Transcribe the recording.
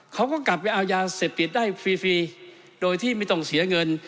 เขาก็กลับไปเอายาเสพติดได้ฟรีฟรีโดยที่ไม่ต้องเสียเงิน